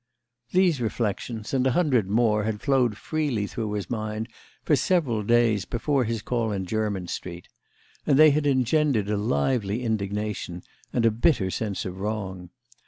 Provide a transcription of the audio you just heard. These reflexions and a hundred more had flowed freely through his mind for several days before his call in Jermyn Street, and they had engendered a lively indignation and a bitter sense of wrong.